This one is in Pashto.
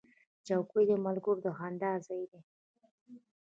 چوکۍ د ملګرو د خندا ځای دی.